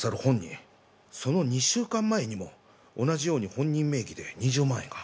その２週間前にも同じように本人名義で２０万円が。